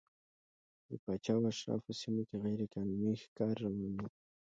د پاچا او اشرافو سیمو کې غیر قانوني ښکار روان و.